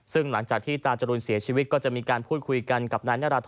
ซึ่งหลังจากที่ตาจรูนเสียชีวิตก็จะมีการพูดคุยกันกับนายนาราธ